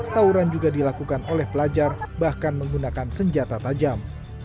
tauran juga dilakukan oleh pelajar bahkan menggunakan senjata tajam